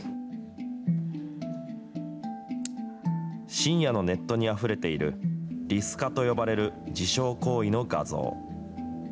深夜のネットにあふれている、リスカと呼ばれる自傷行為の画像。